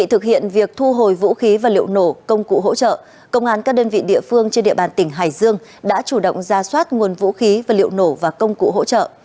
để thực hiện việc thu hồi vũ khí và liệu nổ công cụ hỗ trợ công an các đơn vị địa phương trên địa bàn tỉnh hải dương đã chủ động ra soát nguồn vũ khí và liệu nổ và công cụ hỗ trợ